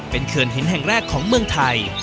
เป็นเขื่อนหินแห่งแรกของเมืองไทย